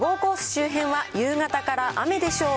周辺は、夕方から雨でしょう。